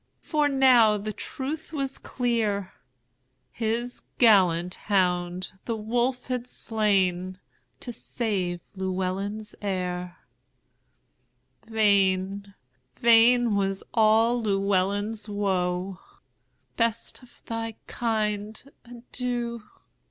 For now the truth was clear; His gallant hound the wolf had slainTo save Llewelyn's heir:Vain, vain was all Llewelyn's woe;"Best of thy kind, adieu!